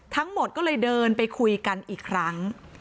ทั้งหมดก็เลยเดินไปคุยกันอีกครั้ง